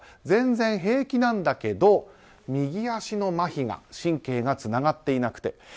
全然平気なんだけど右足のまひが神経がつながっていなくて。